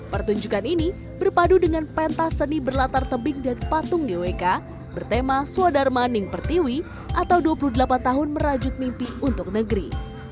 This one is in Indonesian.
pertunjukan ini berpadu dengan pentas seni berlatar tebing dan patung gwk bertema swadharma ningpertiwi atau dua puluh delapan tahun merajut mimpi untuk negeri